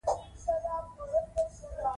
کولمو بکتریاوې د دماغ فعالیت زیاتوي.